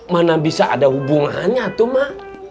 mana bisa ada hubungannya tuh mak